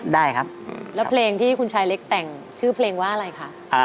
ได้ครับแล้วเพลงที่คุณชายเล็กแต่งชื่อเพลงว่าอะไรคะ